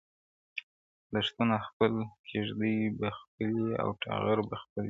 دښتونه خپل- کیږدۍ به خپلي او ټغر به خپل وي--!